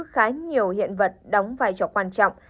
khá nhiều hiện vật đóng vai trò quan trọng